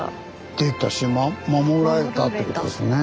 できたし守られたっていうことですね。